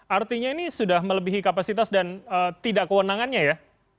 artinya ini sudah melebihi kapasitas dan tidak kewenangannya ya